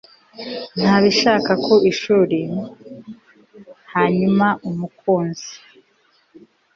ntabishaka ku ishuri. hanyuma umukunzi